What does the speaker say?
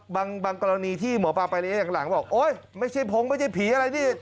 บางกรณีที่หมอปลาไประยะหลังบอกโอ๊ยไม่ใช่พงไม่ใช่ผีอะไรนี่